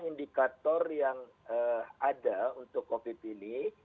indikator yang ada untuk kopi pilih